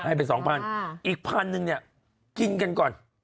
อีกพันหนึ่งนี่กินกันก่อน